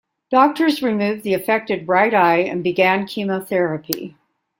Doctors removed the affected right eye and began chemotherapy.